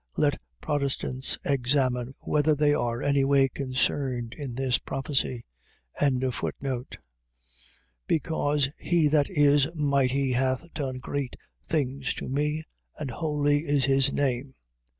Let Protestants examine whether they are any way concerned in this prophecy. 1:49. Because he that is mighty hath done great things to me: and holy is his name.